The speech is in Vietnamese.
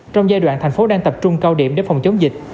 trong giai đoạn thành phố đang tập trung cao điểm để phòng chống dịch